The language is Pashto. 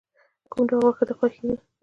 کوم ډول غوښه د خوښیږی؟